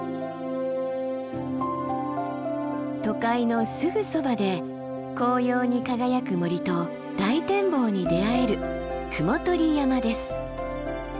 都会のすぐそばで紅葉に輝く森と大展望に出会える雲取山です。